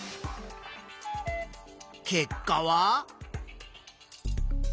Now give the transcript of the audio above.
結果は。